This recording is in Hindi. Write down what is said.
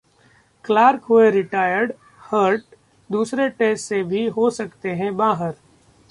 क्लार्क हुए रिटायर्ड हर्ट, दूसरे टेस्ट से भी हो सकते हैं बाहर